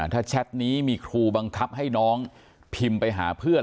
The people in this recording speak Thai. ถ้าแชทนี้มีครูบังคับให้น้องพิมพ์ไปหาเพื่อน